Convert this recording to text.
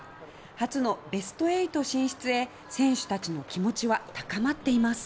初のベスト８進出へ選手たちの気持ちは高まっています。